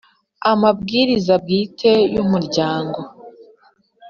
amabwiriza bwite y’Umuryango.